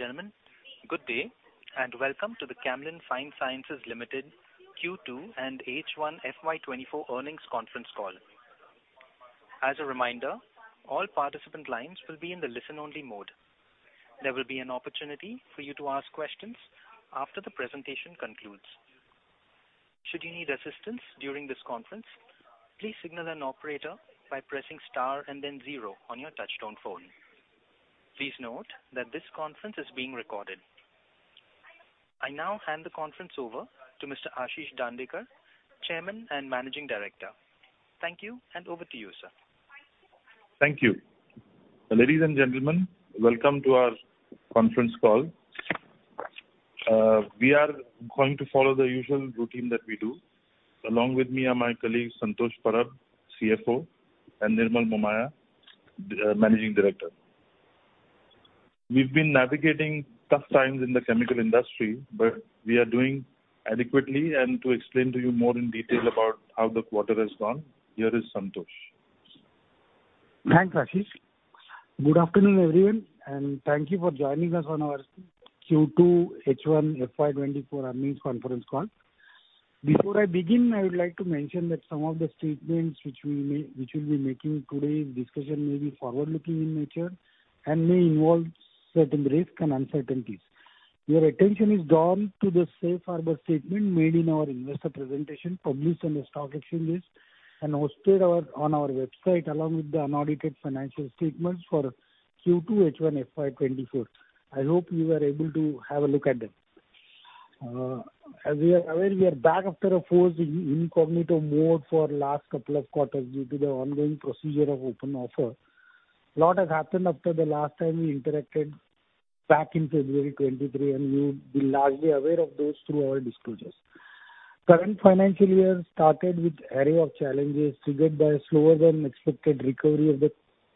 Ladies and gentlemen, good day, and welcome to the Camlin Fine Sciences Limited Q2 and H1 FY 2024 earnings conference call. As a reminder, all participant lines will be in the listen-only mode. There will be an opportunity for you to ask questions after the presentation concludes. Should you need assistance during this conference, please signal an operator by pressing star and then zero on your touchtone phone. Please note that this conference is being recorded. I now hand the conference over to Mr. Ashish Dandekar, Chairman and Managing Director. Thank you, and over to you, sir. Thank you. Ladies and gentlemen, welcome to our conference call. We are going to follow the usual routine that we do. Along with me are my colleagues, Santosh Parab, CFO, and Nirmal Momaya, Managing Director. We've been navigating tough times in the chemical industry, but we are doing adequately. And to explain to you more in detail about how the quarter has gone, here is Santosh. Thanks, Ashish. Good afternoon, everyone, and thank you for joining us on our Q2 H1 FY 2024 earnings conference call. Before I begin, I would like to mention that some of the statements which we'll be making today in discussion may be forward-looking in nature and may involve certain risks and uncertainties. Your attention is drawn to the safe harbor statement made in our investor presentation, published on the stock exchange list and hosted on our website, along with the unaudited financial statements for Q2 H1 FY 2024. I hope you were able to have a look at them. As we are aware, we are back after a forced incognito mode for last couple of quarters due to the ongoing procedure of open offer. A lot has happened after the last time we interacted back in February 2023, and you will be largely aware of those through our disclosures. Current financial year started with array of challenges triggered by a slower-than-expected recovery of the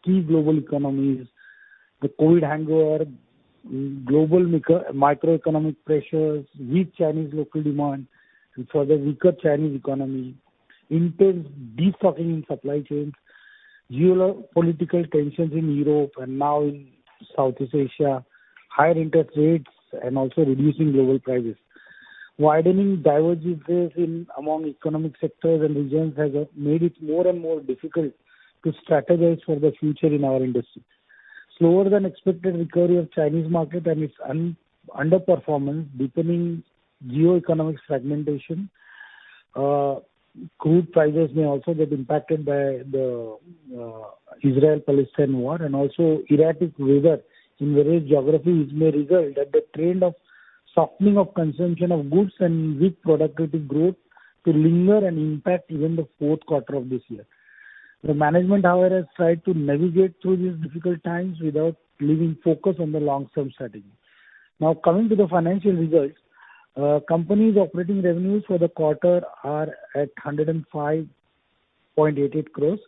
key global economies, the COVID hangover, global microeconomic pressures, weak Chinese local demand and further weaker Chinese economy, intense destocking in supply chains, geopolitical tensions in Europe and now in Southeast Asia, higher interest rates and also reducing global prices. Widening divergences in among economic sectors and regions has made it more and more difficult to strategize for the future in our industry. Slower-than-expected recovery of Chinese market and its underperformance, deepening geoeconomic fragmentation. Crude prices may also get impacted by the Israel-Palestine war, and also erratic weather in various geographies may result in the trend of softening of consumption of goods and weak productivity growth to linger and impact even the fourth quarter of this year. The management, however, has tried to navigate through these difficult times without losing focus on the long-term strategy. Now, coming to the financial results, the company's operating revenues for the quarter are at 105.88 crores,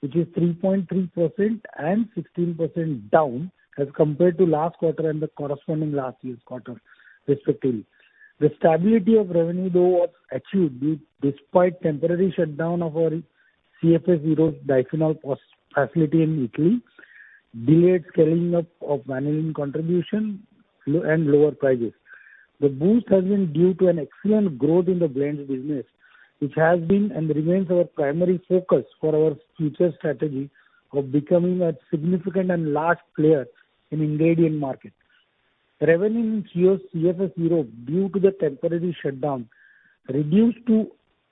which is 3.3% and 16% down as compared to last quarter and the corresponding last year's quarter, respectively. The stability of revenue, though, was achieved despite temporary shutdown of our CFS Europe diphenol facility in Italy, delayed scaling up of vanillin contribution, and lower prices. The boost has been due to an excellent growth in the Blends business, which has been and remains our primary focus for our future strategy of becoming a significant and large player in ingredient market. Revenue in CFS Europe, due to the temporary shutdown, reduced to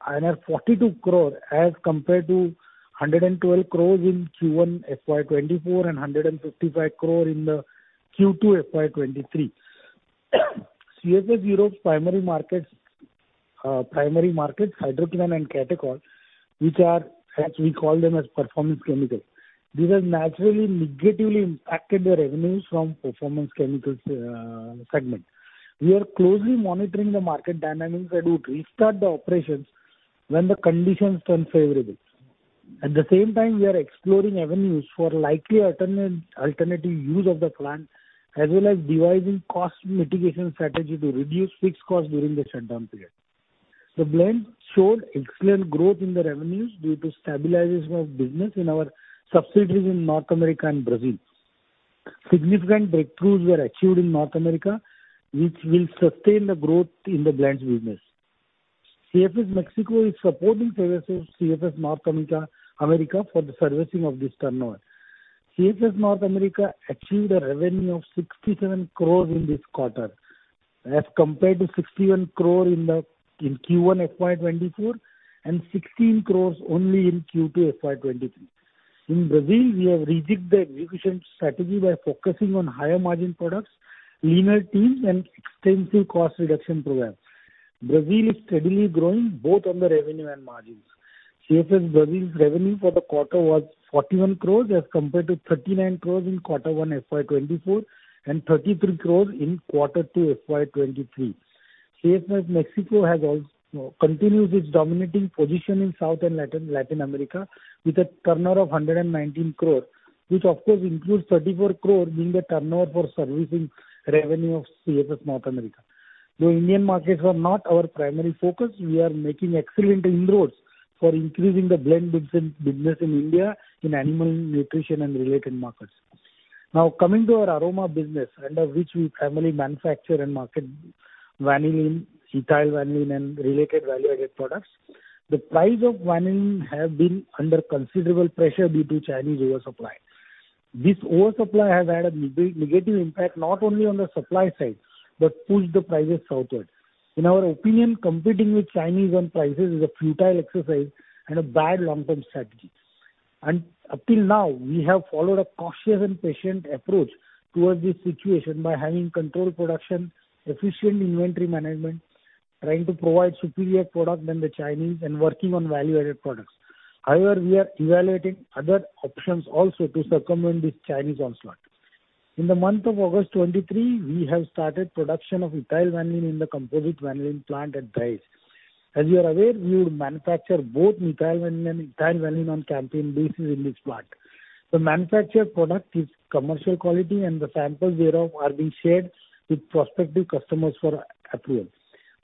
42 crore as compared to 112 crores in Q1 FY 2024 and 155 crore in the Q2 FY 2023. CFS Europe's primary markets, primary markets, hydroquinone and catechol, which are, as we call them, as performance chemicals. These have naturally negatively impacted the revenues from performance chemicals segment. We are closely monitoring the market dynamics and would restart the operations when the conditions turn favorable. At the same time, we are exploring avenues for likely alternative use of the plant, as well as devising cost mitigation strategy to reduce fixed costs during the shutdown period. The blends showed excellent growth in the revenues due to stabilization of business in our subsidiaries in North America and Brazil. Significant breakthroughs were achieved in North America, which will sustain the growth in the Blends business. CFS Mexico is supporting services CFS North America for the servicing of this turnover. CFS North America achieved a revenue of 67 crore in this quarter, as compared to 61 crore in Q1 FY 2024, and 16 crore only in Q2 FY 2023. In Brazil, we have redesigned the execution strategy by focusing on higher-margin products, leaner teams and extensive cost reduction programs. Brazil is steadily growing both on the revenue and margins. CFS Brazil's revenue for the quarter was 41 crore, as compared to 39 crore in quarter one FY 2024 and 33 crore in quarter two FY 2023. CFS Mexico has als... continues its dominating position in South and Latin America with a turnover of 119 crore, which of course includes 34 crore being the turnover for servicing revenue of CFS North America. Though Indian markets are not our primary focus, we are making excellent inroads for increasing the blend business, business in India, in animal nutrition and related markets. Now, coming to our aroma business, under which we primarily manufacture and market vanillin, ethyl vanillin, and related value-added products. The price of vanillin have been under considerable pressure due to Chinese oversupply. This oversupply has had a negative impact, not only on the supply side, but pushed the prices southward. In our opinion, competing with Chinese on prices is a futile exercise and a bad long-term strategy. Up till now, we have followed a cautious and patient approach towards this situation by having controlled production, efficient inventory management, trying to provide superior product than the Chinese, and working on value-added products. However, we are evaluating other options also to circumvent this Chinese onslaught. In the month of August 2023, we have started production of ethyl Vanillin in the composite vanillin plant at Dahej. As you are aware, we would manufacture both methyl vanillin and ethyl Vanillin on campaign basis in this plant. The manufactured product is commercial quality, and the samples thereof are being shared with prospective customers for approval.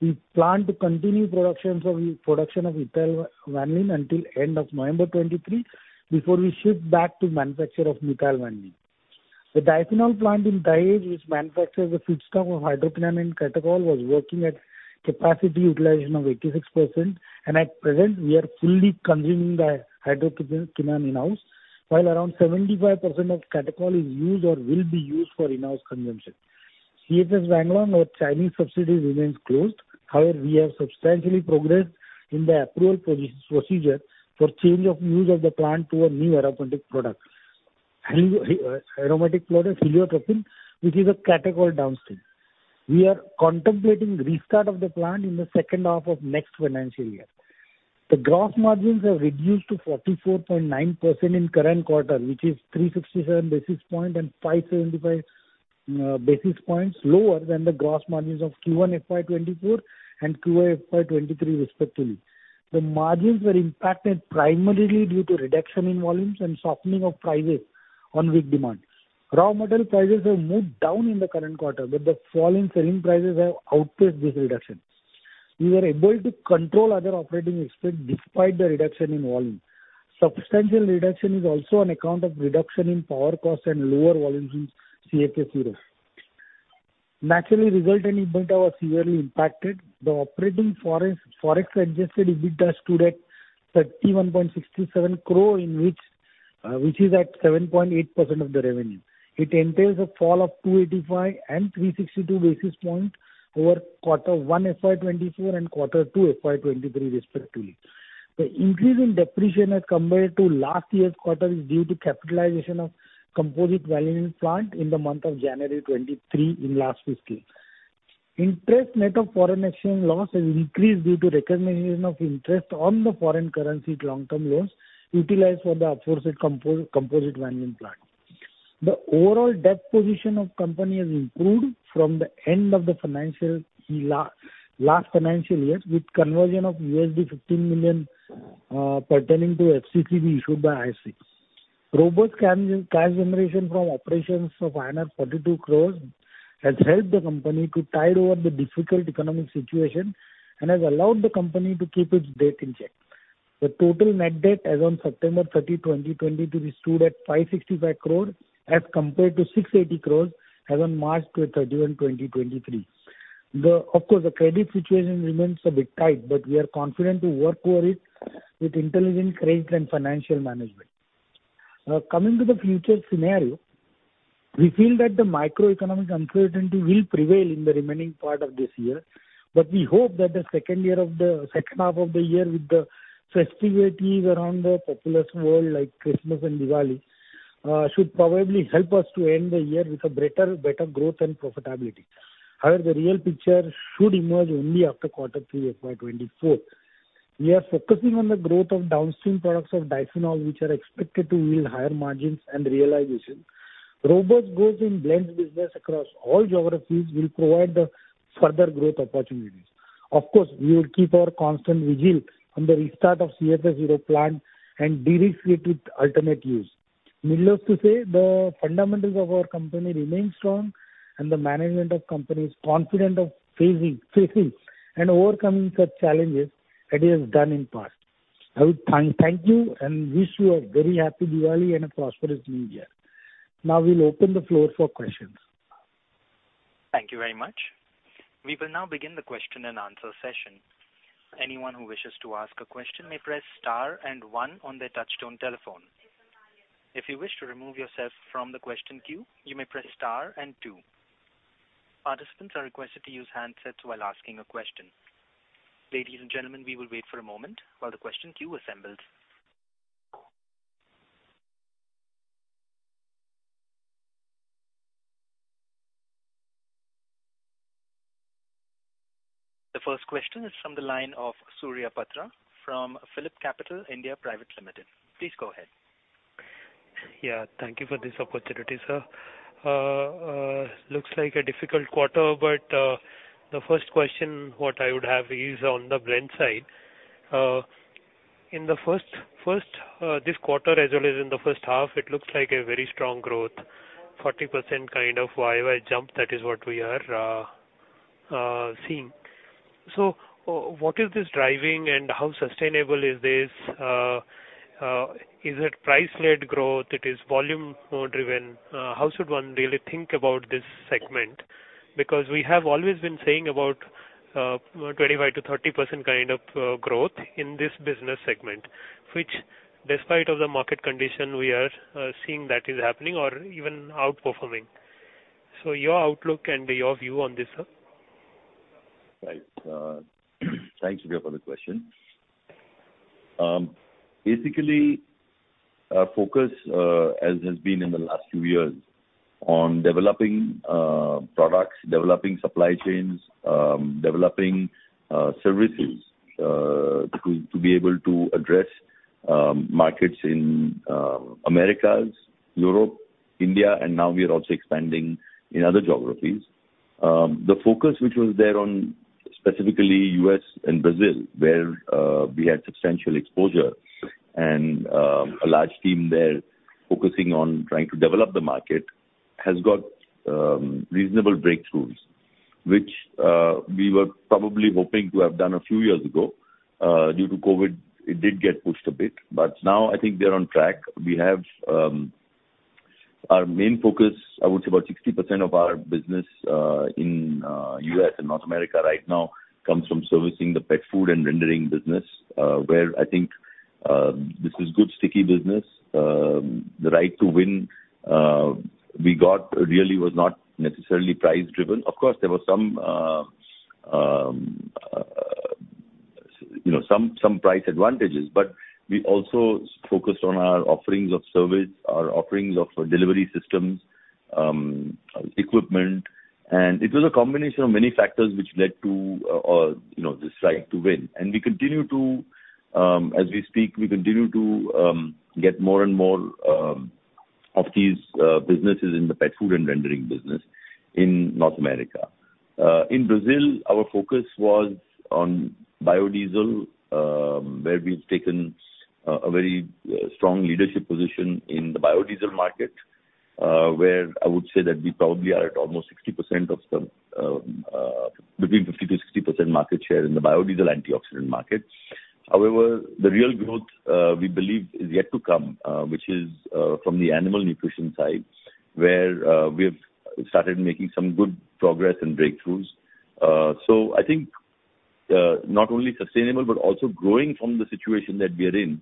We plan to continue production of ethyl Vanillin until end of November 2023, before we shift back to manufacture of methyl vanillin. The diphenol plant in Dahej, which manufactures the feedstock of hydroquinone and catechol, was working at capacity utilization of 86%, and at present, we are fully consuming the hydroquinone in-house, while around 75% of catechol is used or will be used for in-house consumption. CFS Wanglong, our Chinese subsidiary, remains closed. However, we have substantially progressed in the approval procedure for change of use of the plant to a new aromatic product, aromatic product, heliotropin, which is a catechol downstream. We are contemplating restart of the plant in the second half of next financial year. The gross margins have reduced to 44.9% in current quarter, which is 367 basis points and 575 basis points lower than the gross margins of Q1 FY 2024 and Q1 FY 2023 respectively. The margins were impacted primarily due to reduction in volumes and softening of prices on weak demand. Raw material prices have moved down in the current quarter, but the fall in selling prices have outpaced this reduction. We were able to control other operating expense despite the reduction in volume. Substantial reduction is also on account of reduction in power costs and lower volumes in CFS Europe. Naturally, result in EBITDA was severely impacted. The operating forex, forex-adjusted EBITDA stood at 31.67 crore, in which, which is at 7.8% of the revenue. It entails a fall of 285 and 362 basis point over Q1 FY 2024 and Q2 FY 2023, respectively. The increase in depreciation as compared to last year's quarter is due to capitalization of composite vanillin plant in the month of January 2023 in last fiscal. Interest net of foreign exchange loss has increased due to recognition of interest on the foreign currency long-term loans utilized for the aforesaid composite vanillin plant. The overall debt position of company has improved from the end of the financial year, last financial year, with conversion of $15 million pertaining to FCCB issued by ICICI. Robust cash generation from operations of INR 42 crores has helped the company to tide over the difficult economic situation and has allowed the company to keep its debt in check. The total net debt as on September 30, 2023, stood at 565 crores as compared to 680 crores as on March 31, 2023. Of course, the credit situation remains a bit tight, but we are confident to work over it with intelligent credit and financial management. Coming to the future scenario, we feel that the macroeconomic uncertainty will prevail in the remaining part of this year, but we hope that the second half of the year, with the festivities around the populous world, like Christmas and Diwali, should probably help us to end the year with a better, better growth and profitability. However, the real picture should emerge only after quarter three FY 2024. We are focusing on the growth of downstream products of diphenol, which are expected to yield higher margins and realization. Robust growth in blends business across all geographies will provide further growth opportunities. Of course, we will keep our constant vigil on the restart of CFS Europe plant and dedicate it with alternate use. Needless to say, the fundamentals of our company remain strong, and the management of company is confident of facing and overcoming such challenges that it has done in past. I would thank you and wish you a very happy Diwali and a prosperous new year. Now, we'll open the floor for questions. Thank you very much. We will now begin the question-and-answer session. Anyone who wishes to ask a question may press star and one on their touchtone telephone. If you wish to remove yourself from the question queue, you may press star and two. Participants are requested to use handsets while asking a question. Ladies and gentlemen, we will wait for a moment while the question queue assembles. The first question is from the line of Surya Patra from PhillipCapital India Private Limited. Please go ahead. Yeah, thank you for this opportunity, sir. Looks like a difficult quarter, but the first question what I would have is on the blend side. In the first quarter, as well as in the first half, it looks like a very strong growth, 40% kind of year-over-year jump. That is what we are seeing. So what is this driving, and how sustainable is this? Is it price-led growth? It is volume more driven? How should one really think about this segment? Because we have always been saying about 25%-30% kind of growth in this business segment, which despite of the market condition, we are seeing that is happening or even outperforming. So your outlook and your view on this, sir? Right. Thanks, Vipin, for the question. Basically, our focus, as has been in the last few years, on developing products, developing supply chains, developing services, to be able to address markets in Americas, Europe, India, and now we are also expanding in other geographies. The focus which was there on specifically US and Brazil, where we had substantial exposure and a large team there focusing on trying to develop the market, has got reasonable breakthroughs, which we were probably hoping to have done a few years ago. Due to COVID, it did get pushed a bit, but now I think we are on track. We have... Our main focus, I would say about 60% of our business in U.S. and North America right now comes from servicing the pet food and rendering business, where I think this is good sticky business. The right to win we got, really, was not necessarily price-driven. Of course, there were some, you know, some price advantages, but we also focused on our offerings of service, our offerings of delivery systems, equipment. And it was a combination of many factors which led to, you know, this right to win. And as we speak, we continue to get more and more of these businesses in the pet food and rendering business in North America. In Brazil, our focus was on biodiesel, where we've taken a very strong leadership position in the biodiesel market, where I would say that we probably are at almost 60% of the between 50%-60% market share in the biodiesel antioxidant market. However, the real growth we believe is yet to come, which is from the animal nutrition side, where we have started making some good progress and breakthroughs. So I think not only sustainable but also growing from the situation that we are in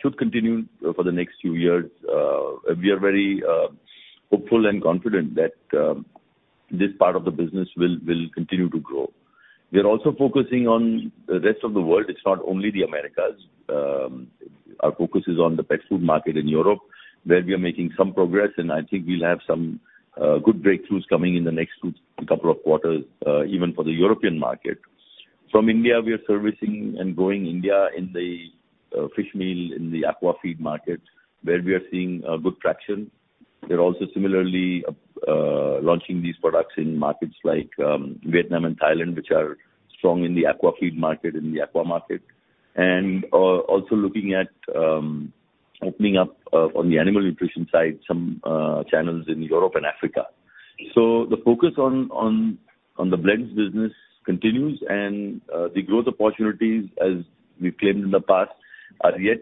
should continue for the next few years. We are very hopeful and confident that this part of the business will continue to grow. We are also focusing on the rest of the world; it's not only the Americas. Our focus is on the Pet Food market in Europe, where we are making some progress, and I think we'll have some good breakthroughs coming in the next two couple of quarters, even for the European market. From India, we are servicing and growing India in the fish meal, in the Aqua Feed market, where we are seeing good traction. We're also similarly launching these products in markets like Vietnam and Thailand, which are strong in the Aqua Feed market, in the aqua market. Also looking at opening up on the animal nutrition side, some channels in Europe and Africa. The focus on the blends business continues, and the growth opportunities, as we've claimed in the past, are yet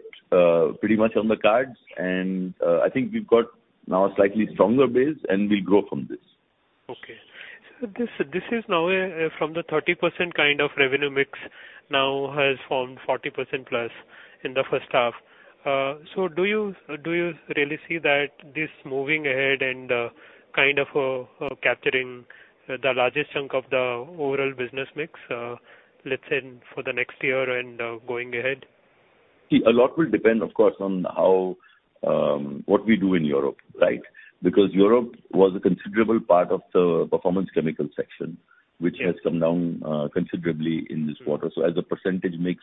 pretty much on the cards. I think we've got now a slightly stronger base, and we'll grow from this. Okay. So this is now from the 30% kind of revenue mix, now has formed 40% plus in the first half. So do you really see that this moving ahead and kind of capturing the largest chunk of the overall business mix, let's say for the next year and going ahead? See, a lot will depend, of course, on how... What we do in Europe, right? Because Europe was a considerable part of the performance chemicals segment- Yes. -which has come down considerably in this quarter. So as a percentage mix,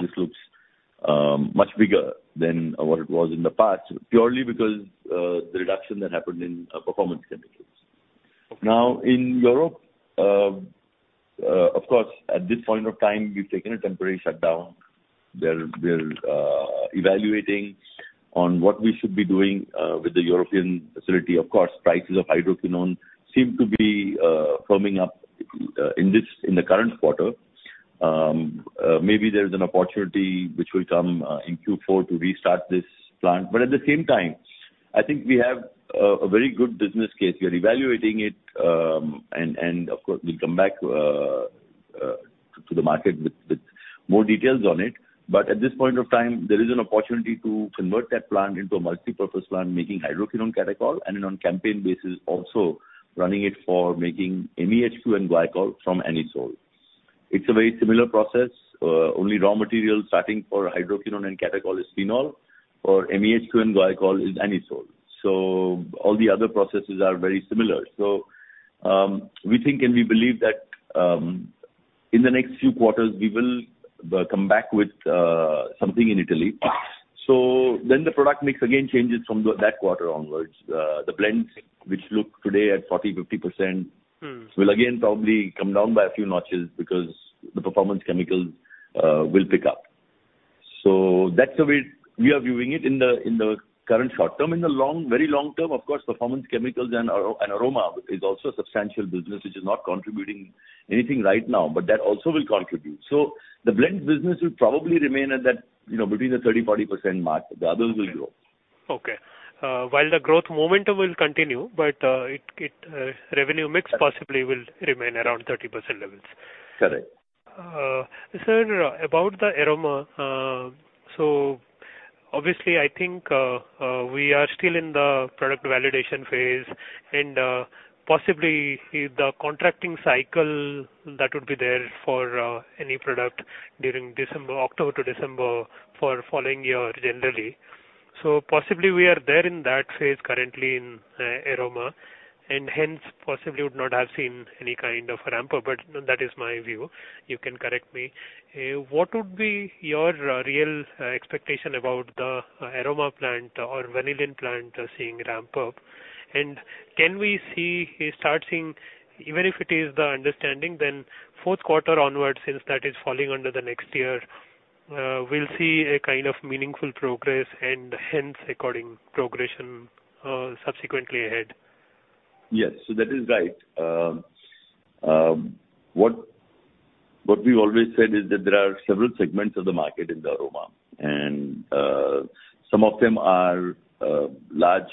this looks much bigger than what it was in the past, purely because the reduction that happened in performance chemicals. Okay. Now, in Europe, of course, at this point of time, we've taken a temporary shutdown. We're evaluating on what we should be doing with the European facility. Of course, prices of hydroquinone seem to be firming up in the current quarter. Maybe there is an opportunity which will come in Q4 to restart this plant. But at the same time, I think we have a very good business case. We are evaluating it, and of course, we'll come back to the market with more details on it. But at this point of time, there is an opportunity to convert that plant into a multipurpose plant, making hydroquinone, catechol, and on campaign basis, also running it for making MEHQ and glycol from anisole. It's a very similar process, only raw material starting for hydroquinone and catechol is phenol or MEHQ and glycol is anisole. So all the other processes are very similar. So, we think and we believe that, in the next few quarters, we will come back with something in Italy... So then the product mix again changes from that quarter onwards. The blends, which look today at 40-50%- Mm. will again probably come down by a few notches because the performance chemicals will pick up. So that's the way we are viewing it in the current short term. In the long, very long term, of course, performance chemicals and aroma is also a substantial business, which is not contributing anything right now, but that also will contribute. So the blends business will probably remain at that, you know, between the 30%-40% mark. The others will grow. Okay. While the growth momentum will continue, but revenue mix possibly will remain around 30% levels. Correct. Sir, about the aroma, so obviously, I think, we are still in the product validation phase, and possibly the contracting cycle that would be there for any product during December, October to December for following year, generally. So possibly we are there in that phase currently in aroma, and hence, possibly would not have seen any kind of ramp up, but that is my view. You can correct me. What would be your real expectation about the aroma plant or vanillin plant seeing ramp up? And can we see a starting, even if it is the understanding, then fourth quarter onwards, since that is falling under the next year, we'll see a kind of meaningful progress and hence according progression, subsequently ahead. Yes, so that is right. What we've always said is that there are several segments of the market in the aroma, and some of them are large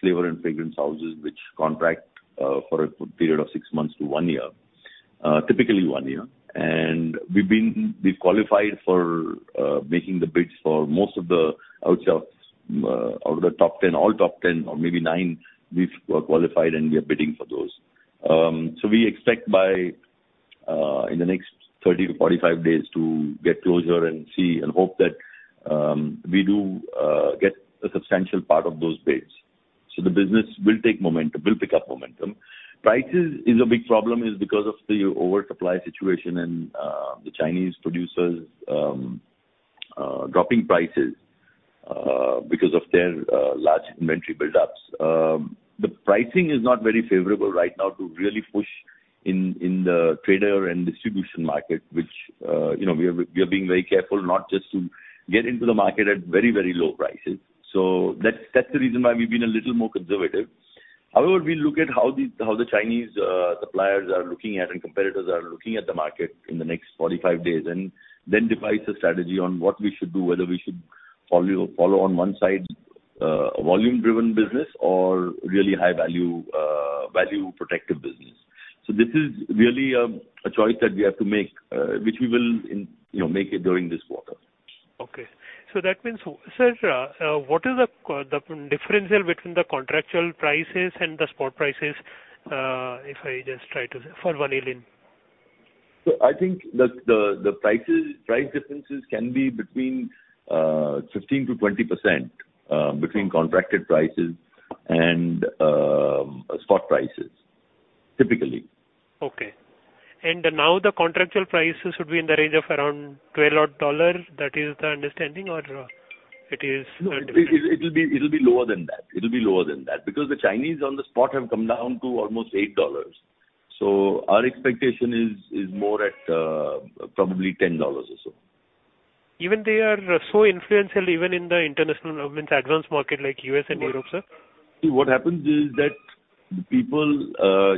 flavor and fragrance houses, which contract for a period of six months to one year, typically one year. And we've qualified for making the bids for most of the, out of the top 10, all top 10 or maybe nine, we've qualified and we are bidding for those. So we expect by in the next 30-45 days to get closure and see and hope that we do get a substantial part of those bids. So the business will take momentum, will pick up momentum. Prices is a big problem, is because of the oversupply situation and, the Chinese producers, dropping prices, because of their, large inventory buildups. The pricing is not very favorable right now to really push in, in the trader and distribution market, which, you know, we are, we are being very careful not just to get into the market at very, very low prices. So that's, that's the reason why we've been a little more conservative. However, we look at how the, how the Chinese, suppliers are looking at and competitors are looking at the market in the next 45 days, and then devise a strategy on what we should do, whether we should follow, follow on one side, a volume-driven business or really high-value, value protective business. This is really a choice that we have to make, which we will, you know, make it during this quarter. Okay. So that means, sir, what is the differential between the contractual prices and the spot prices? If I just try to, for vanillin. I think the price differences can be between 15%-20% between contracted prices and spot prices, typically. Okay. Now the contractual prices would be in the range of around $12-odd? That is the understanding, or it is- It'll be lower than that. It'll be lower than that. Because the Chinese on the spot have come down to almost $8. So our expectation is more at probably $10 or so. Even they are so influential, even in the international, I mean, advanced market like U.S. and Europe, sir? What happens is that people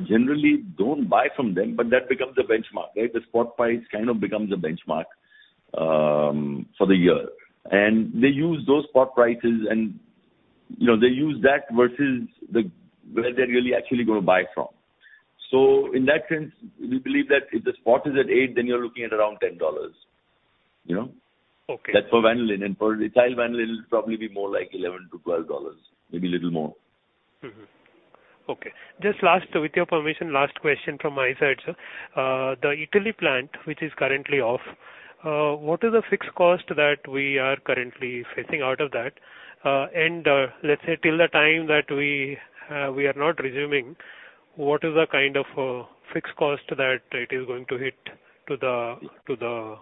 generally don't buy from them, but that becomes a benchmark, right? The spot price kind of becomes a benchmark for the year. And they use those spot prices and, you know, they use that versus the where they're really actually going to buy from. So in that sense, we believe that if the spot is at $8, then you're looking at around $10. You know? Okay. That's for Vanillin, and for ethyl Vanillin, it'll probably be more like $11-$12, maybe a little more. Mm-hmm. Okay, just last, with your permission, last question from my side, sir. The Italy plant, which is currently off, what is the fixed cost that we are currently facing out of that? And, let's say till the time that we are not resuming, what is the kind of fixed cost that it is going to hit to the,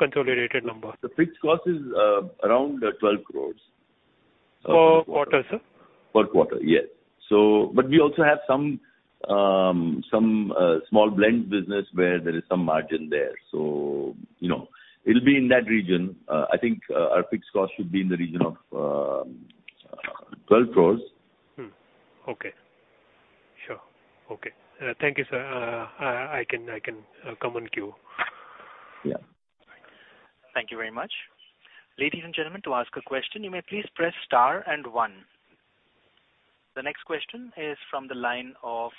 to the consolidated number? The fixed cost is around 12 crore. Per quarter, sir? Per quarter, yes. So, but we also have some small blends business where there is some margin there. So, you know, it'll be in that region. I think our fixed cost should be in the region of 12 crore. Okay. Sure. Okay. Thank you, sir. I can come on queue. Yeah. Thank you very much. Ladies and gentlemen, to ask a question, you may please press star and one. The next question is from the line of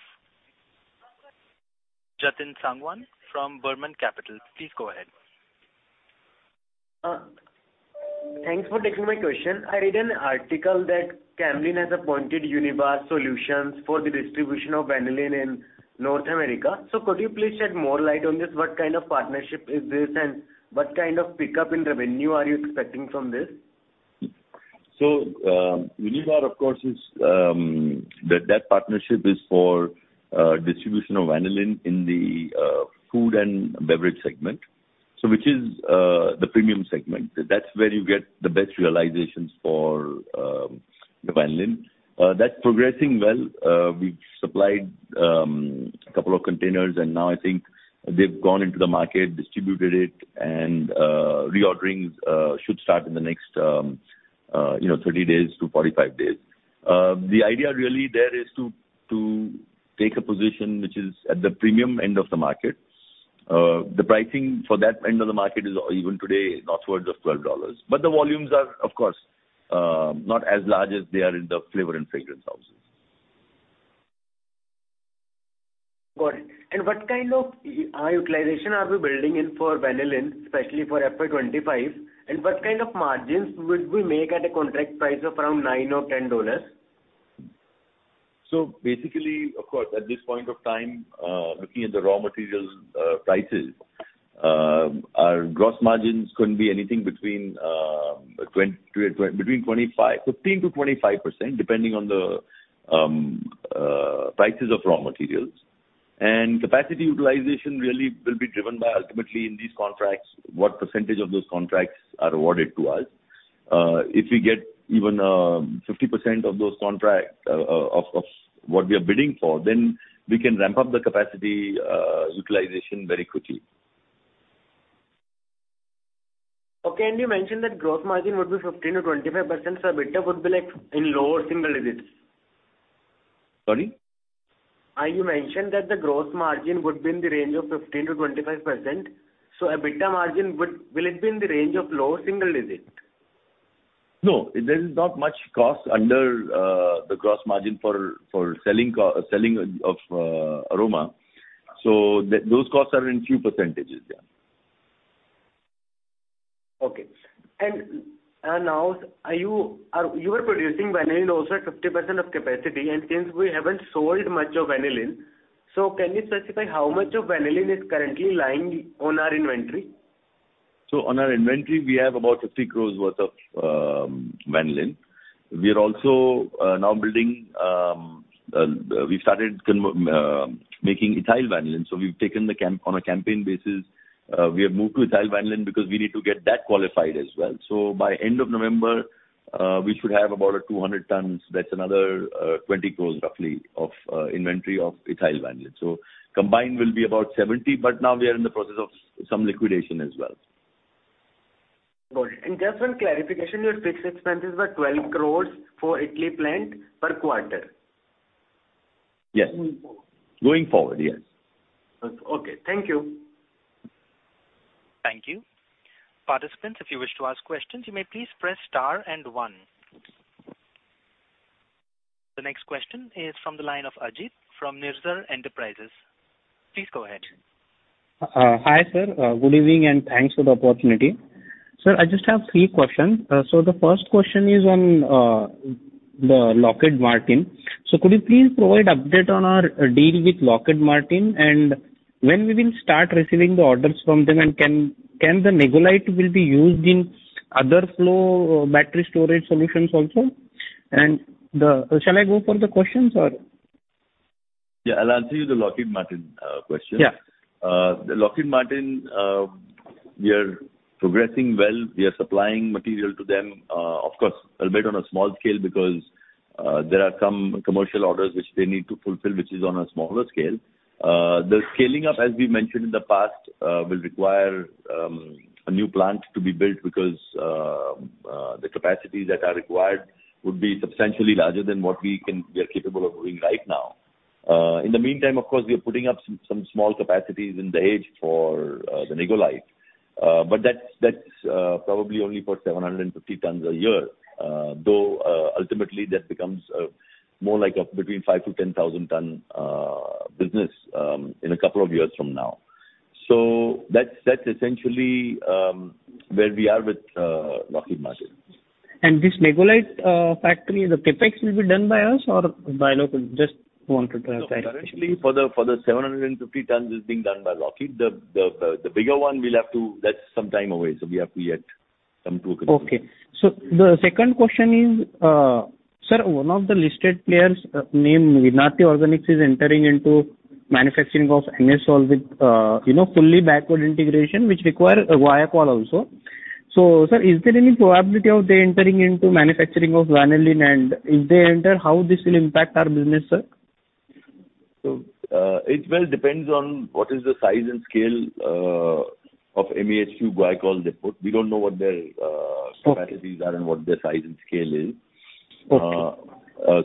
Jatin Sangwan from Burman Capital. Please go ahead. Thanks for taking my question. I read an article that Camlin has appointed Univar Solutions for the distribution of vanillin in North America. So could you please shed more light on this? What kind of partnership is this, and what kind of pickup in revenue are you expecting from this?... So, Univar, of course, is that partnership is for distribution of vanillin in the food and beverage segment. So which is the premium segment. That's where you get the best realizations for the vanillin. That's progressing well. We've supplied a couple of containers, and now I think they've gone into the market, distributed it, and reorderings should start in the next, you know, 30 days to 45 days. The idea really there is to take a position which is at the premium end of the market. The pricing for that end of the market is even today northwards of $12. But the volumes are, of course, not as large as they are in the flavor and fragrance houses. Got it. And what kind of utilization are we building in for vanillin, especially for FY 25? And what kind of margins would we make at a contract price of around $9-$10? So basically, of course, at this point of time, looking at the raw materials prices, our gross margins couldn't be anything between 15%-25%, depending on the prices of raw materials. And capacity utilization really will be driven by ultimately in these contracts, what percentage of those contracts are awarded to us. If we get even 50% of those contracts, of what we are bidding for, then we can ramp up the capacity utilization very quickly. Okay, and you mentioned that gross margin would be 15%-25%, so EBITDA would be, like, in lower single digits? Sorry? You mentioned that the gross margin would be in the range of 15%-25%, so EBITDA margin would, will it be in the range of lower single digit? No, there is not much cost under the gross margin for selling co-selling of aroma. So those costs are in few percentages, yeah. Okay. And now, were you producing vanillin also at 50% of capacity, and since we haven't sold much of vanillin, so can you specify how much of vanillin is currently lying on our inventory? So on our inventory, we have about 50 crore worth of vanillin. We are also now building; we started making ethyl vanillin, so we've taken on a campaign basis; we have moved to ethyl vanillin because we need to get that qualified as well. So by end of November, we should have about 200 tons. That's another 20 crore, roughly, of inventory of ethyl vanillin. So combined will be about 70 crore, but now we are in the process of some liquidation as well. Got it. Just one clarification, your fixed expenses were 12 crore for Italy plant per quarter? Yes. Going forward. Going forward, yes. Okay, thank you. Thank you. Participants, if you wish to ask questions, you may please press star and one. The next question is from the line of Ajit, from Nirzar Enterprises. Please go ahead. Hi, sir. Good evening, and thanks for the opportunity. Sir, I just have three questions. The first question is on the Lockheed Martin. Could you please provide update on our deal with Lockheed Martin, and when we will start receiving the orders from them, and can the negolyte will be used in other flow battery storage solutions also? Shall I go for the questions, or? Yeah, I'll answer you the Lockheed Martin question. Yeah. The Lockheed Martin, we are progressing well. We are supplying material to them, of course, a bit on a small scale, because there are some commercial orders which they need to fulfill, which is on a smaller scale. The scaling up, as we mentioned in the past, will require a new plant to be built, because the capacities that are required would be substantially larger than what we can-- we are capable of doing right now. In the meantime, of course, we are putting up some small capacities in Dahej for the negolyte. But that's probably only for 750 tons a year, though ultimately, that becomes more like between 5,000-10,000 ton business in a couple of years from now. So that's, that's essentially where we are with Lockheed Martin. This negolyte factory, the CapEx will be done by us or by local? Just wanted to clarify. Currently, for the 750 tons, it's being done by Lockheed. The bigger one will have to... That's some time away, so we have to yet come to a conclusion. Okay. So the second question is, sir, one of the listed players named Vinati Organics is entering into manufacturing of MeHQ solvent, you know, fully backward integration, which requires a glycol also. So, sir, is there any probability of them entering into manufacturing of vanillin? And if they enter, how this will impact our business, sir? So, it well depends on what is the size and scale of MEHQ glycol they put. We don't know what their, Okay... capacities are and what their size and scale is. Okay.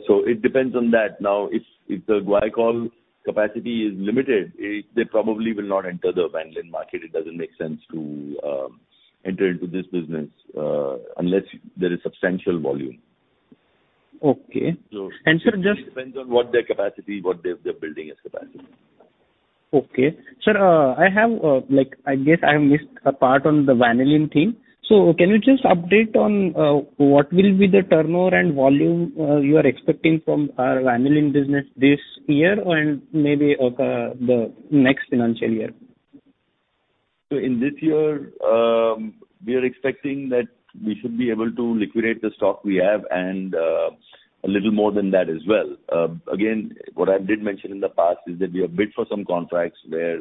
So it depends on that. Now, if the glycol capacity is limited, they probably will not enter the vanillin market. It doesn't make sense to enter into this business unless there is substantial volume. Okay. So- And, sir, just- It depends on what they're building as capacity. Okay. Sir, I have, like, I guess I missed a part on the vanillin thing. So can you just update on what will be the turnover and volume you are expecting from our vanillin business this year and maybe the next financial year?... So in this year, we are expecting that we should be able to liquidate the stock we have and, a little more than that as well. Again, what I did mention in the past is that we have bid for some contracts where,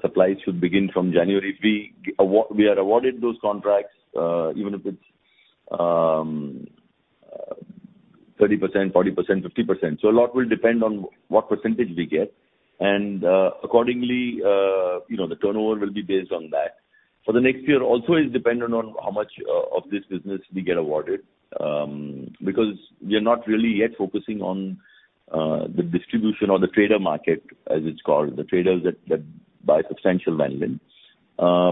supplies should begin from January. We are awarded those contracts, even if it's 30%, 40%, 50%. So a lot will depend on what percentage we get, and, accordingly, you know, the turnover will be based on that. For the next year also is dependent on how much of this business we get awarded, because we are not really yet focusing on the distribution or the trader market, as it's called, the traders that buy substantial vanillin.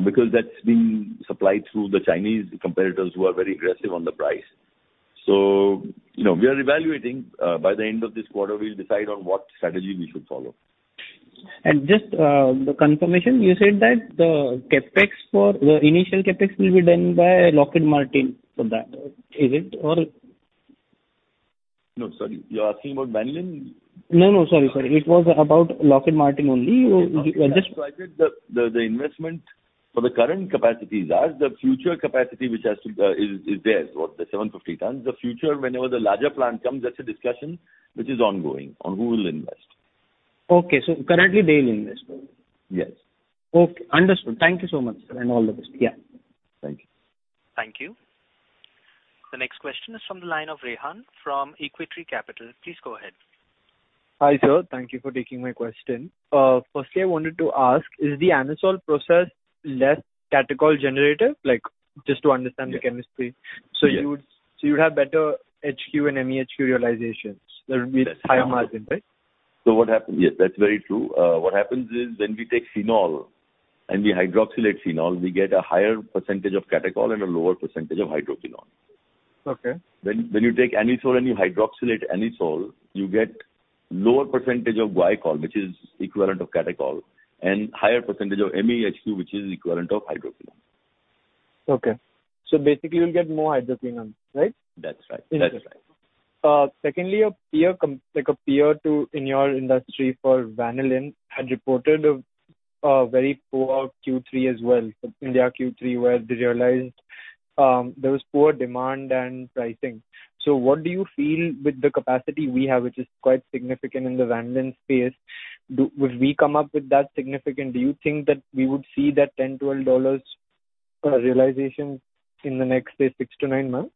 Because that's being supplied through the Chinese competitors who are very aggressive on the price. So, you know, we are evaluating. By the end of this quarter, we'll decide on what strategy we should follow. Just the confirmation, you said that the CapEx for the initial CapEx will be done by Lockheed Martin for that, is it or? No, sorry. You're asking about Vanillin? No, no. Sorry, sorry. It was about Lockheed Martin only. Just- The investment for the current capacity is ours. The future capacity which has to be is theirs, or the 750 tons. The future, whenever the larger plant comes, that's a discussion which is ongoing on who will invest. Okay. So currently, they will invest only? Yes. OK, understood. Thank you so much, sir, and all the best. Yeah. Thank you. Thank you. The next question is from the line of Rehan from Equitree Capital. Please go ahead. Hi, sir. Thank you for taking my question. Firstly, I wanted to ask, is the anisole process less catechol generator? Like, just to understand the chemistry. Yes. So you would have better HQ and MEHQ realizations. There would be higher margin, right? So what happens... Yes, that's very true. What happens is, when we take phenol and we hydroxylate phenol, we get a higher percentage of catechol and a lower percentage of hydroquinone. Okay. When you take Anisole and you hydroxylate Anisole, you get lower percentage of glycol, which is equivalent of catechol, and higher percentage of MEHQ, which is equivalent of hydroquinone. Okay. Basically, you'll get more hydroquinone, right? That's right. That's right. Secondly, a peer like a peer to in your industry for vanillin, had reported a very poor Q3 as well. In their Q3, where they realized there was poor demand and pricing. So what do you feel with the capacity we have, which is quite significant in the vanillin space, would we come up with that significant? Do you think that we would see that $10-$12 realization in the next, say, six to nine months?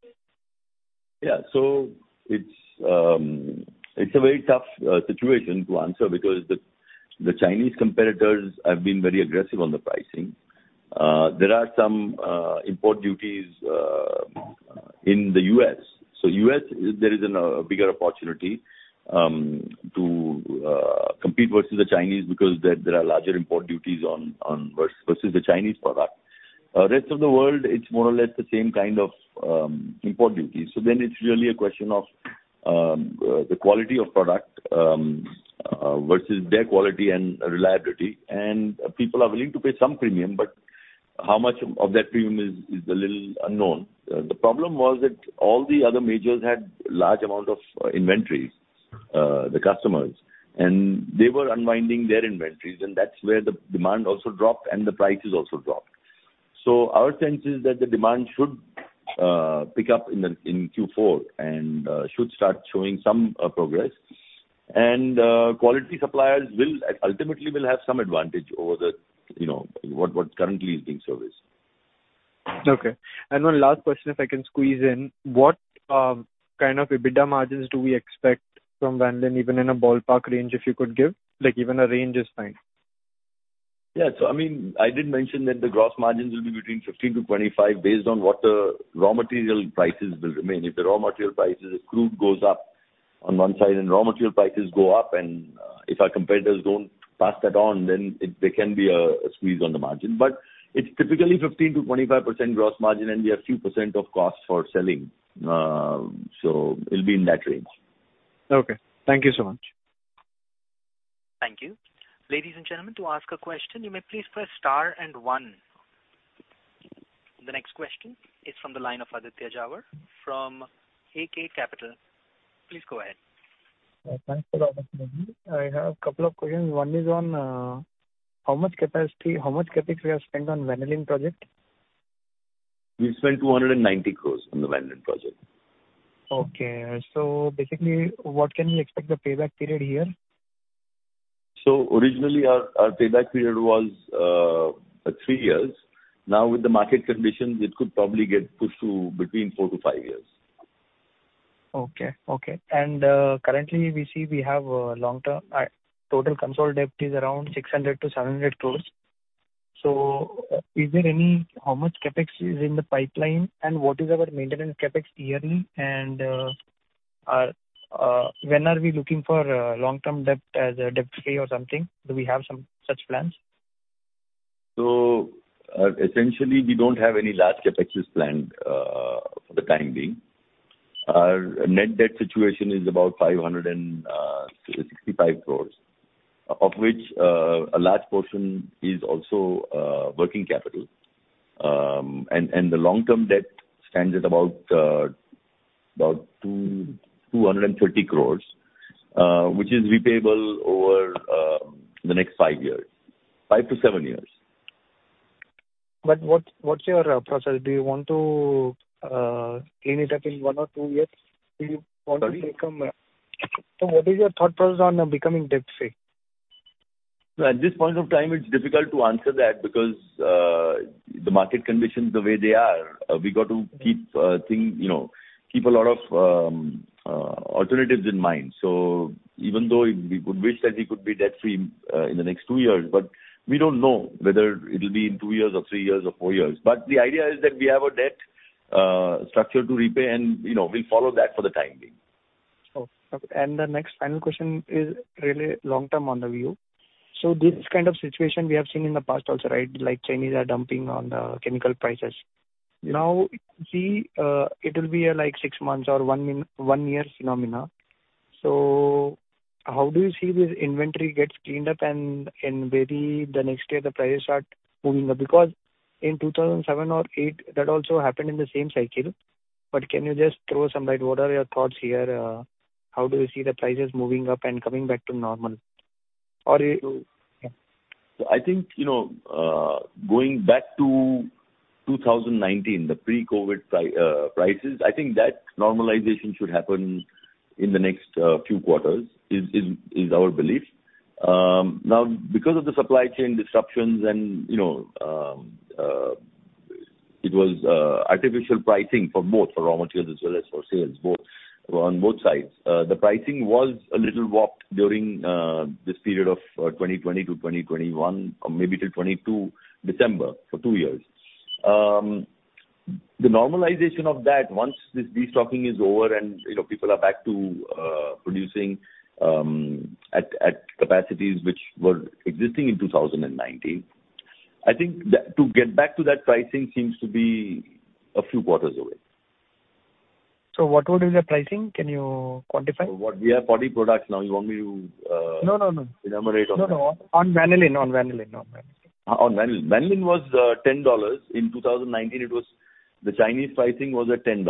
Yeah. So it's a very tough situation to answer because the Chinese competitors have been very aggressive on the pricing. There are some import duties in the U.S. So U.S., there is a bigger opportunity to compete versus the Chinese because there are larger import duties on versus the Chinese product. Rest of the world, it's more or less the same kind of import duties. So then it's really a question of the quality of product versus their quality and reliability. And people are willing to pay some premium, but how much of that premium is a little unknown. The problem was that all the other majors had large amount of inventory, the customers, and they were unwinding their inventories, and that's where the demand also dropped and the prices also dropped. So our sense is that the demand should pick up in Q4 and should start showing some progress. And quality suppliers will ultimately will have some advantage over the, you know, what, what currently is being serviced. Okay. And one last question, if I can squeeze in. What, kind of EBITDA margins do we expect from vanillin, even in a ballpark range, if you could give? Like, even a range is fine. Yeah. So I mean, I did mention that the gross margins will be between 15-25, based on what the raw material prices will remain. If the raw material prices, if crude goes up on one side and raw material prices go up, and if our competitors don't pass that on, then there can be a squeeze on the margin. But it's typically 15-25% gross margin, and we have few % of cost for selling, so it'll be in that range. Okay. Thank you so much. Thank you. Ladies and gentlemen, to ask a question, you may please press star and one. The next question is from the line of Aditya Jhawar from AK Capital. Please go ahead. Thanks a lot. I have a couple of questions. One is on, how much capacity, how much CapEx we have spent on vanillin project? We spent 290 crore on the vanillin project. Okay. So basically, what can we expect the payback period here? Originally, our payback period was three years. Now, with the market conditions, it could probably get pushed to between four to five years. Okay, okay. And, currently, we see we have a long-term, total consolidated debt is around 600-700 crores. So is there any... How much CapEx is in the pipeline, and what is our maintenance CapEx yearly? And, are, when are we looking for, long-term debt as a debt-free or something? Do we have some such plans? So, essentially, we don't have any large CapExes planned for the time being. Our net debt situation is about 565 crores, of which a large portion is also working capital. The long-term debt stands at about 230 crores, which is repayable over the next five to seven years. But what, what's your process? Do you want to clean it up in one or two years? Do you want to become- Sorry? What is your thought process on becoming debt-free? At this point of time, it's difficult to answer that because the market conditions the way they are, we got to keep things, you know, keep a lot of alternatives in mind. So even though we would wish that we could be debt-free in the next two years, but we don't know whether it'll be in two years or three years or four years. But the idea is that we have a debt structure to repay, and, you know, we'll follow that for the time being. Okay. The next final question is really long-term on the view. So this kind of situation we have seen in the past also, right? Like Chinese are dumping on the chemical prices. Now, see, it will be like six months or one year phenomena. So how do you see this inventory gets cleaned up and, and maybe the next year the prices start moving up? Because in 2007 or 2008, that also happened in the same cycle. But can you just throw some light? What are your thoughts here? How do you see the prices moving up and coming back to normal? Or you- So I think, you know, going back to 2019, the pre-COVID prices, I think that normalization should happen in the next few quarters, is our belief. Now, because of the supply chain disruptions and, you know, it was artificial pricing for both, for raw materials as well as for sales, both, on both sides. The pricing was a little warped during this period of 2020 to 2021, or maybe till 2022, December, for two years. The normalization of that, once this destocking is over and, you know, people are back to producing at capacities which were existing in 2019, I think that to get back to that pricing seems to be a few quarters away. What would be the pricing? Can you quantify? What, we have 40 products now. You want me to, No, no, no. Enumerate all that? No, no. On Vanillin, on Vanillin, on Vanillin. On vanillin. Vanillin was $10. In 2019, it was the Chinese pricing was at $10.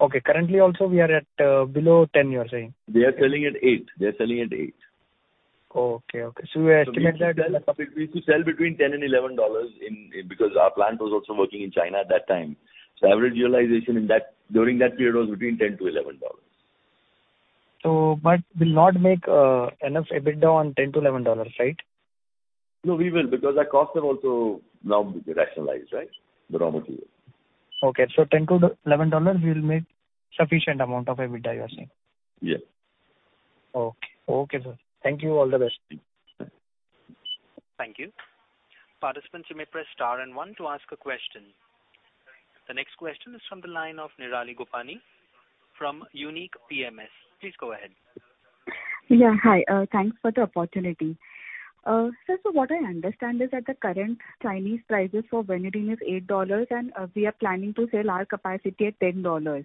Okay. Currently also, we are at below 10, you are saying? They are selling at eight. They are selling at eight. Okay, okay. So we estimate that- We used to sell, we used to sell between $10 and $11 in, because our plant was also working in China at that time. So average realization in that, during that period was between $10-$11. But will not make enough EBITDA on $10-$11, right? No, we will, because our costs have also now been rationalized, right? The raw material. Okay, so $10-$11, we will make sufficient amount of EBITDA, you're saying? Yes. Okay. Okay, sir. Thank you. All the best. Thank you. Participants, you may press star and one to ask a question. The next question is from the line of Nirali Gopani from Unique PMS. Please go ahead. Yeah, hi. Thanks for the opportunity. Sir, so what I understand is that the current Chinese prices for Vanillin is $8, and we are planning to sell our capacity at $10.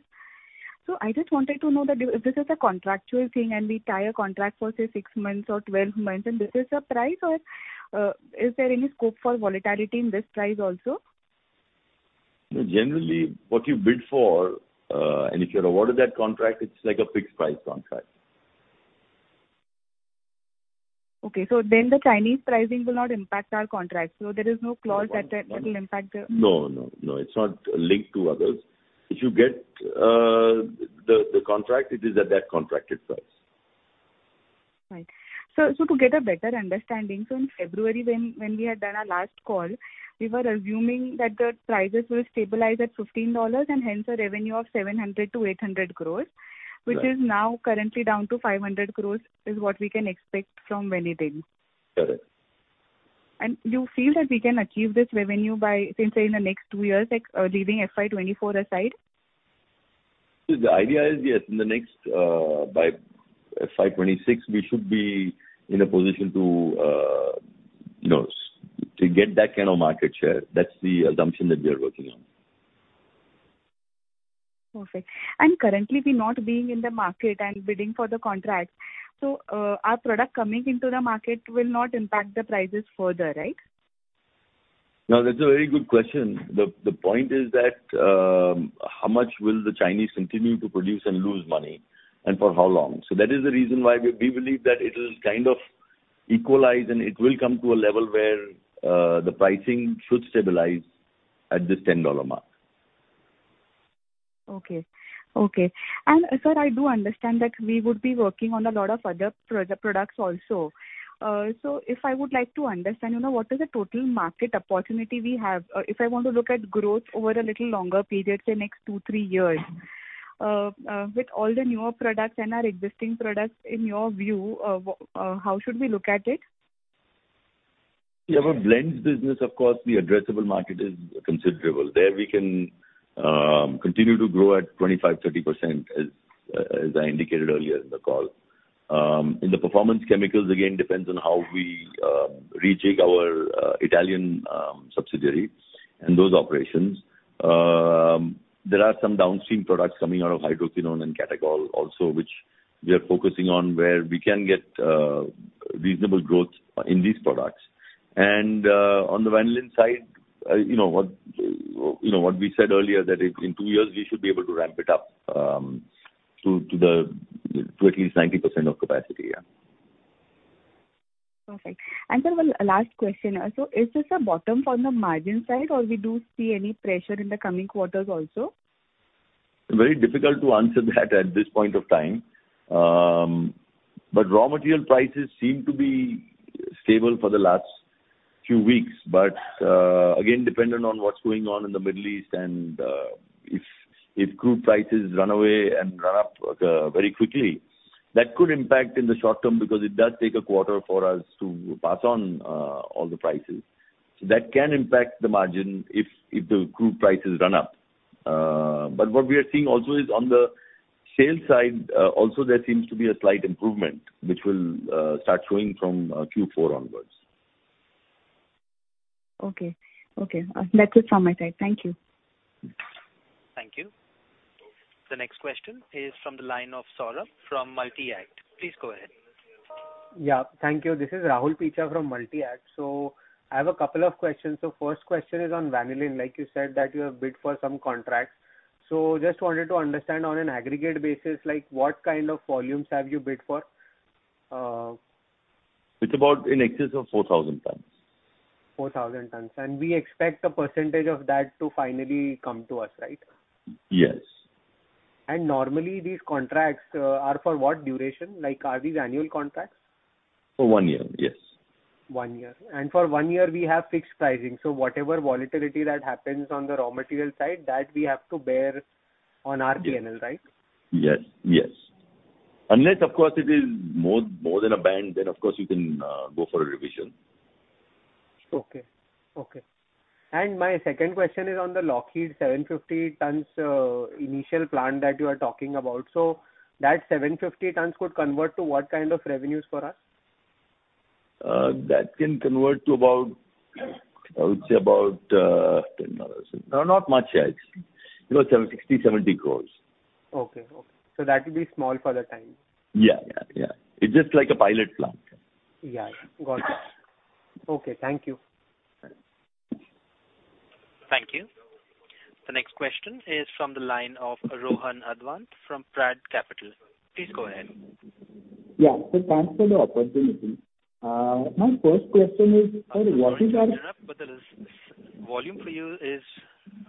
So I just wanted to know that if this is a contractual thing, and we tie a contract for, say, six months or 12 months, and this is a price, or is there any scope for volatility in this price also? Generally, what you bid for, and if you're awarded that contract, it's like a fixed price contract. Okay. So then the Chinese pricing will not impact our contract, so there is no clause that, that will impact the- No, no, no, it's not linked to others. If you get the contract, it is at that contracted price. Right. So to get a better understanding, in February, when we had done our last call, we were assuming that the prices will stabilize at $15, and hence a revenue of 700-800 crore- Right. -which is now currently down to 500 crore, is what we can expect from vanillin? Correct. You feel that we can achieve this revenue by, since say in the next two years, like, leaving FY 2024 aside? The idea is, yes, in the next, by FY 26, we should be in a position to, you know, to get that kind of market share. That's the assumption that we are working on. Perfect. Currently, we're not being in the market and bidding for the contract, so, our product coming into the market will not impact the prices further, right? Now, that's a very good question. The point is that how much will the Chinese continue to produce and lose money, and for how long? So that is the reason why we believe that it will kind of equalize and it will come to a level where the pricing should stabilize at this $10 mark. Okay, okay. And, sir, I do understand that we would be working on a lot of other products also. So if I would like to understand, you know, what is the total market opportunity we have, if I want to look at growth over a little longer period, say, next two, three years, with all the newer products and our existing products, in your view, how should we look at it? We have a blends business, of course, the addressable market is considerable. There, we can continue to grow at 25%-30%, as I indicated earlier in the call. In the performance chemicals, again, depends on how we rejig our Italian subsidiary and those operations. There are some downstream products coming out of hydroquinone and catechol also, which we are focusing on, where we can get reasonable growth in these products. On the Vanillin side, you know what, you know what we said earlier, that in two years we should be able to ramp it up to at least 90% of capacity. Yeah. Perfect. Sir, one last question. Is this a bottom for the margin side, or we do see any pressure in the coming quarters also? Very difficult to answer that at this point of time. But raw material prices seem to be stable for the last few weeks. But again, dependent on what's going on in the Middle East and if crude prices run away and run up very quickly, that could impact in the short term, because it does take a quarter for us to pass on all the prices. So that can impact the margin if the crude prices run up. But what we are seeing also is on the sales side also there seems to be a slight improvement, which will start showing from Q4 onwards. Okay. Okay, that's it from my side. Thank you. Thank you. The next question is from the line of Saurabh from Multi-Act. Please go ahead. Yeah, thank you. This is Rahul Picha from Multi-Act. So I have a couple of questions. So first question is on vanillin. Like you said, that you have bid for some contracts. So just wanted to understand on an aggregate basis, like, what kind of volumes have you bid for? It's about in excess of 4,000 tons. 4,000 tons. We expect a percentage of that to finally come to us, right? Yes. Normally, these contracts are for what duration? Like, are these annual contracts? For one year, yes. One year. For one year we have fixed pricing, so whatever volatility that happens on the raw material side, that we have to bear on our PNL, right? Yes, yes. Unless of course, it is more, more than a band, then of course you can go for a revision. Okay, okay. My second question is on the Lockheed 750 tons, initial plant that you are talking about. That 750 tons could convert to what kind of revenues for us? That can convert to about, I would say about, $10. No, not much actually. You know, 60 crores-70 crores. Okay, okay. So that will be small for the time? Yeah, yeah, yeah. It's just like a pilot plant. Yeah, got it. Okay, thank you. Thank you. The next question is from the line of Rohan Advant from Prad Capital. Please go ahead. Yeah. So thanks for the opportunity. My first question is, sir, what is our- Sorry to interrupt, but the volume for you is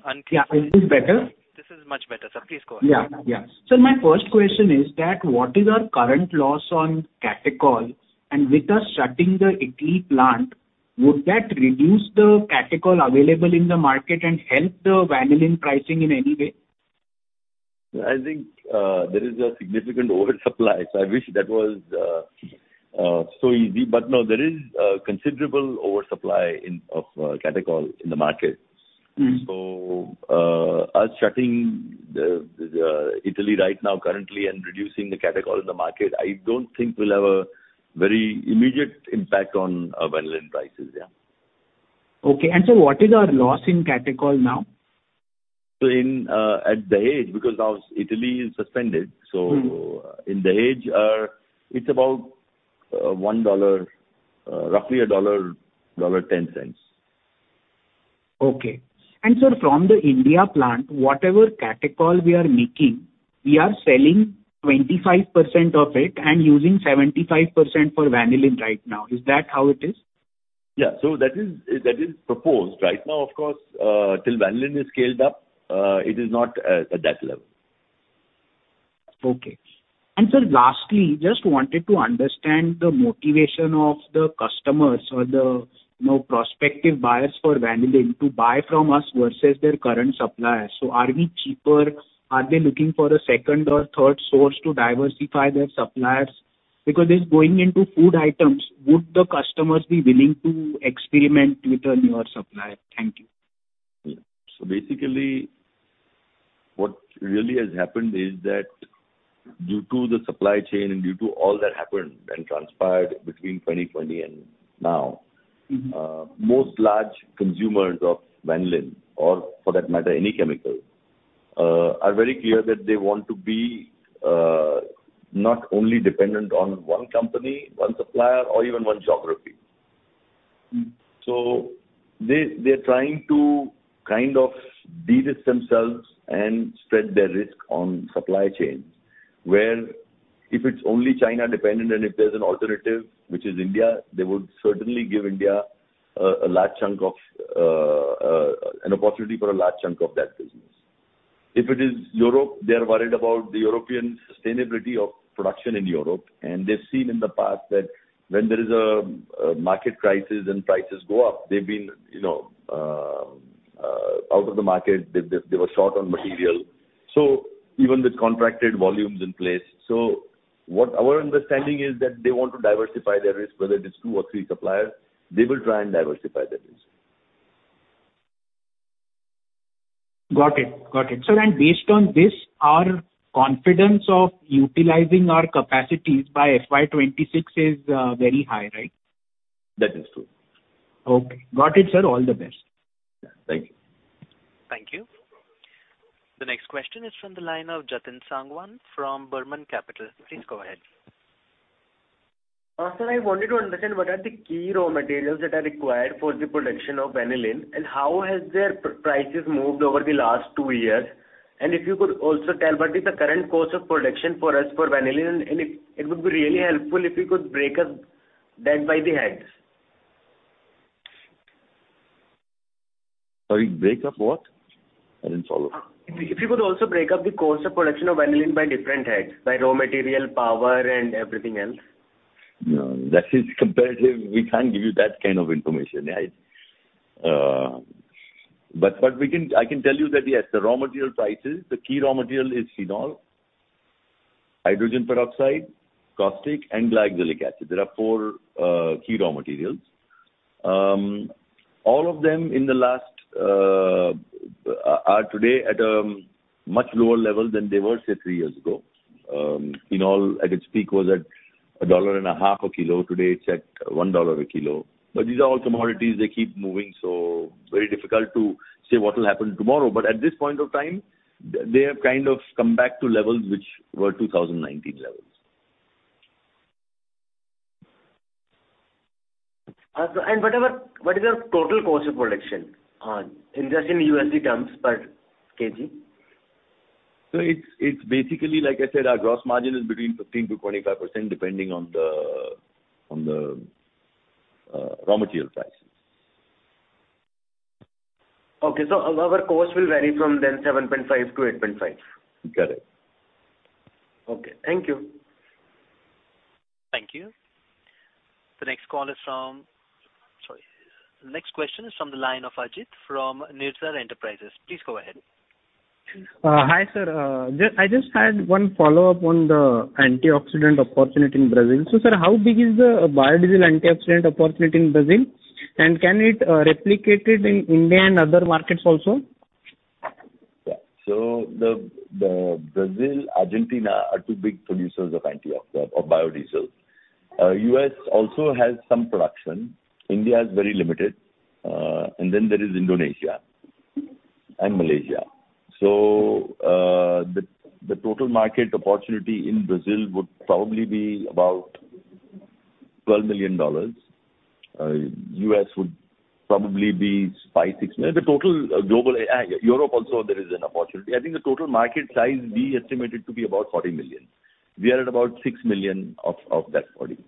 unclear. Yeah. Is this better? This is much better, sir. Please go ahead. Yeah, yeah. So my first question is that what is our current loss on catechol? And with us shutting the Italy plant, would that reduce the catechol avacilable in the market and help the Vanillin pricing in any way? I think, there is a significant oversupply, so I wish that was, so easy. But no, there is a considerable oversupply in, of, catechol in the market. Mm. So, us shutting the Italy right now currently and reducing the catechol in the market, I don't think will have a very immediate impact on Vanillin prices. Yeah. Okay. And so what is our loss in catechol now? So in at the age, because now Italy is suspended, so- Mm. In the age, it's about $1, roughly $1, $1.10. Okay. And sir, from the India plant, whatever catechol we are making, we are selling 25% of it and using 75% for vanillin right now. Is that how it is? Yeah. So that is, that is proposed. Right now, of course, till vanillin is scaled up, it is not at that level. Okay. And sir, lastly, just wanted to understand the motivation of the customers or the, you know, prospective buyers for Vanillin to buy from us versus their current suppliers. So are we cheaper? Are they looking for a second or third source to diversify their suppliers? Because this is going into food items, would the customers be willing to experiment with your supplier? Thank you. Yeah. So basically, what really has happened is that due to the supply chain and due to all that happened and transpired between 2020 and now- Mm-hmm... most large consumers of vanillin, or for that matter, any chemical, are very clear that they want to be not only dependent on one company, one supplier or even one geography. Mm. So they, they're trying to kind of de-risk themselves and spread their risk on supply chains, where if it's only China dependent and if there's an alternative, which is India, they would certainly give India a large chunk of an opportunity for a large chunk of that business. If it is Europe, they are worried about the European sustainability of production in Europe, and they've seen in the past that when there is a market crisis and prices go up, they've been, you know, out of the market, they were short on material. So even with contracted volumes in place. So what our understanding is that they want to diversify their risk, whether it's two or three suppliers, they will try and diversify their risk. Got it. Got it. So then based on this, our confidence of utilizing our capacities by FY 2026 is very high, right?... That is true. Okay, got it, sir. All the best. Thank you. Thank you. The next question is from the line of Jatin Sangwan from Burman Capital. Please go ahead. Sir, I wanted to understand what are the key raw materials that are required for the production of vanillin, and how has their prices moved over the last two years? And if you could also tell what is the current cost of production for us for vanillin, and it would be really helpful if you could break up that by the heads. Sorry, break up what? I didn't follow. If you could also break up the cost of production of vanillin by different heads, by raw material, power, and everything else. No, that is competitive. We can't give you that kind of information. I... But, but we can-- I can tell you that, yes, the raw material prices, the key raw material is phenol, hydrogen peroxide, caustic, and glyoxylic acid. There are four key raw materials. All of them in the last are today at a much lower level than they were, say, three years ago. Phenol at its peak was at $1.50/kg. Today, it's at $1/kg. But these are all commodities, they keep moving, so very difficult to say what will happen tomorrow. But at this point of time, they have kind of come back to levels which were 2019 levels. Sir, and what are your, what is your total cost of production, just in USD terms per kg? It's basically, like I said, our gross margin is between 15%-25%, depending on the raw material prices. Okay. Our cost will vary from 7.5-8.5. Got it. Okay, thank you. Thank you. The next call is from... Sorry, next question is from the line of Ajit, from Nirsal Enterprises. Please go ahead. Hi, sir. Just, I just had one follow-up on the antioxidant opportunity in Brazil. So, sir, how big is the biodiesel antioxidant opportunity in Brazil, and can it replicate it in India and other markets also? Yeah. So Brazil, Argentina are two big producers of antioxidant or biodiesel. U.S. also has some production. India is very limited. And then there is Indonesia and Malaysia. So, the total market opportunity in Brazil would probably be about $12 million. U.S. would probably be $5-$6 million. The total global, Europe also, there is an opportunity. I think the total market size, we estimate it to be about $40 million. We are at about $6 million of that $40 million.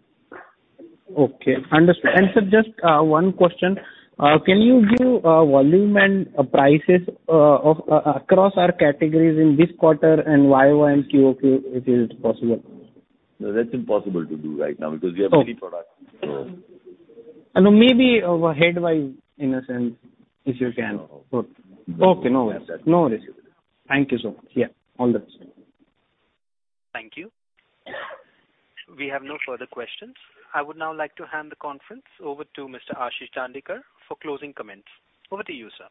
Okay, understood. And, sir, just one question. Can you give volume and prices of across our categories in this quarter and YOY and QOQ, if it is possible? No, that's impossible to do right now because we have many products, so. I know. Maybe overhead-wise, in a sense, if you can. No. Okay, no worries. Yes, sir. No worries. Thank you so much. Yeah, all the best. Thank you. We have no further questions. I would now like to hand the conference over to Mr. Ashish Dandekar for closing comments. Over to you, sir.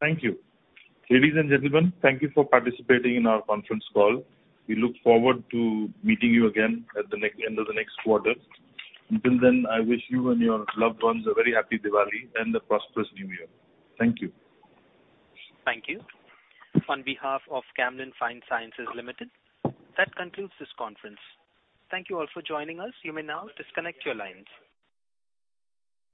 Thank you. Ladies and gentlemen, thank you for participating in our conference call. We look forward to meeting you again at the end of the next quarter. Until then, I wish you and your loved ones a very happy Diwali and a prosperous new year. Thank you. Thank you. On behalf of Camlin Fine Sciences Limited, that concludes this conference. Thank you all for joining us. You may now disconnect your lines.